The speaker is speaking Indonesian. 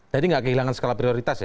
jadi nggak kehilangan skala prioritas ya